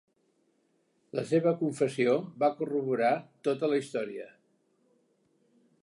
La seva confessió va corroborar tota la història.